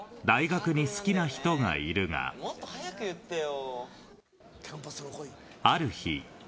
もっと早く言ってよ。